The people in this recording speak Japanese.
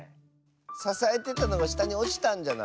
ささえてたのがしたにおちたんじゃない？